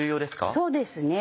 そうですね。